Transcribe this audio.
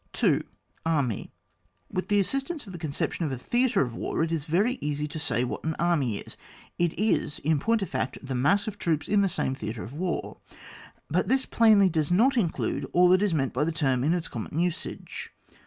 2. — Army. With the assistance of the conception of a Theatre of War, it is very easy to say what an Army is : it is, in point of fact, the mass of troops in the same Theatre of War. But this plainly does not include all that is meant by the term in its common usage.